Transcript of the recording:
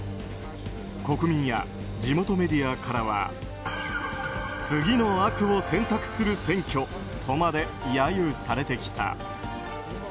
国民や地元メディアからは次の悪を選択する選挙とまで揶揄されてきた。